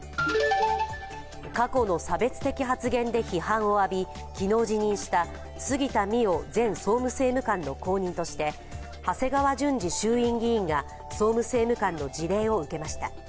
過去の差別的発言で批判を浴び昨日辞任した杉田水脈前総務政務官の後任として長谷川淳二衆議院議員が総務政務官の辞令を受けました。